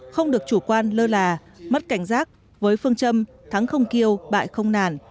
không được chủ quan lơ là mất cảnh giác với phương châm thắng không kêu bại không nản